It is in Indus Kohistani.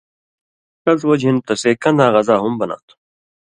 ݜس وجہۡ ہِن تسےکن٘داں غزا ہُم بناں تھو۔